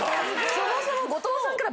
そもそも後藤さんから。